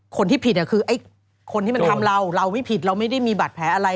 คนที่ผิดน่ะคือคนที่ทำเราเราไม่ผิดเราไม่ได้มีบัตรแผลอะไร